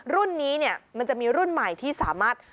รุ่นนี้เนี่ยมันจะมีรุ่นใหม่ที่สามารถ